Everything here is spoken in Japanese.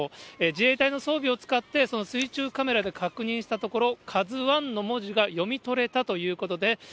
自衛隊の装備を使って、その水中カメラで確認したところ、カズワンの文字が読み取れたということで。